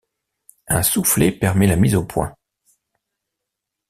Un soufflet permet la mise au point.